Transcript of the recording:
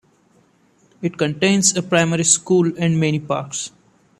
It contains a primary school and many parks.